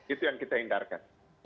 itu yang kita hindarkan